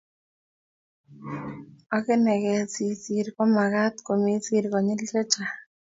agenege si sir ko magat komesir konyil chechang